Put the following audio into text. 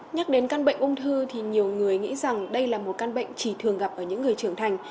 nhắc đến căn bệnh ung thư thì nhiều người nghĩ rằng đây là một căn bệnh chỉ thường gặp ở những người trưởng thành